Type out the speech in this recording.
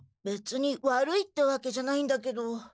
べつに悪いってわけじゃないんだけど。